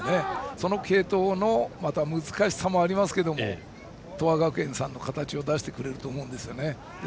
その継投の難しさもありますけども東亜学園さんの形を出してくれると思うんですね。